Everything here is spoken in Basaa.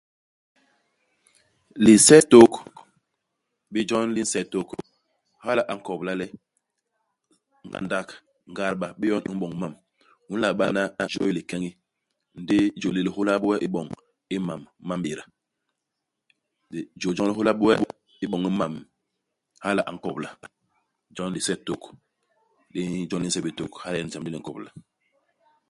Lisetôt bé jon li nse tôk. Hala a nkobla le ngandak ngadba bé yon i m'boñ mam. U nla bana nga jôy likeñi, ndi ijôy li li hôla bé we iboñ imam ma m'béda. Li jôy joñ li hôla bé we iboñ imam hala a nkobla. Jon lisetôt li jon li nse bé tôk. Hala nyen ijam li li nkobla.